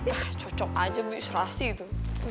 ah cocok aja bi serasi itu